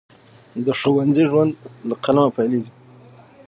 د ښوونځي ژوند له قلمه پیلیږي.